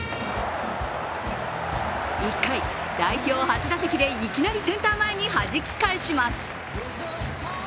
１回、代表初打席でいきなりセンター前にはじき返します。